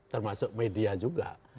termasuk media juga